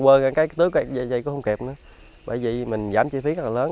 quên cái tưới vậy cũng không kịp nữa bởi vậy mình giảm chi phí rất là lớn